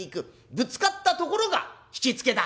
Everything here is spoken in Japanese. ぶつかったところが引付だ」。